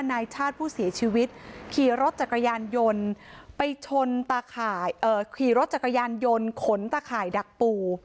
นายชาติผู้เสียชีวิตขี่รถจักรยานยนต์ขนตาข่ายดักปู